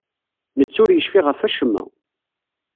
Netta ur yecfi ɣef wacemma.